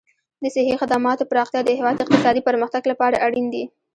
د صحي خدماتو پراختیا د هېواد اقتصادي پرمختګ لپاره اړین دي.